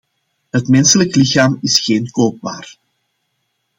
Het menselijk lichaam is geen koopwaar.